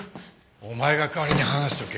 お前が代わりに話しておけ。